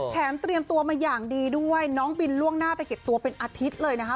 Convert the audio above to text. เตรียมตัวมาอย่างดีด้วยน้องบินล่วงหน้าไปเก็บตัวเป็นอาทิตย์เลยนะคะ